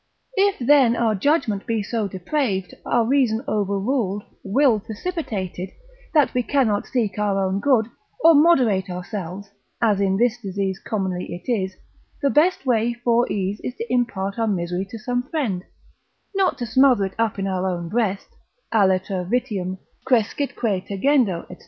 If then our judgment be so depraved, our reason overruled, will precipitated, that we cannot seek our own good, or moderate ourselves, as in this disease commonly it is, the best way for ease is to impart our misery to some friend, not to smother it up in our own breast: aliter vitium crescitque tegendo, &c.